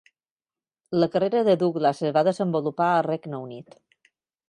La carrera de Douglas es va desenvolupar al Regne Unit.